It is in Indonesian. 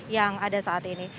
yang ada saat ini